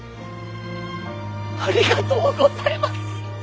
ありがとうございます！